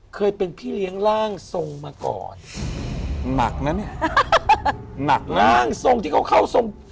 เคยเป็นพี่เลี้ยงร่างทรงมาก่อนหนักนะเนี่ยหนักร่างทรงที่เขาเข้าทรง